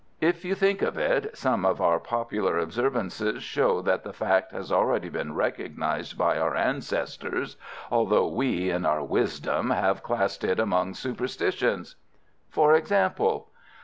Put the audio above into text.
If you think of it, some of our popular observances show that the fact has already been recognized by our ancestors, although we, in our wisdom, have classed it among superstitions." "For example?"